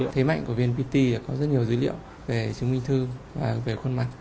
thế mạnh của vnpt có rất nhiều dữ liệu về chứng minh thư và về khuôn mặt